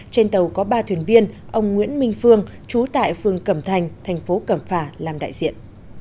trên tàu có ba thuyền viên ông nguyễn minh phương chú tại phương cầm thành thành phố cầm phà làm đại diện